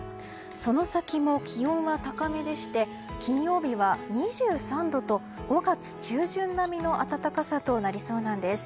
その先も気温は高めでして金曜日は２３度と５月中旬並みの暖かさとなりそうなんです。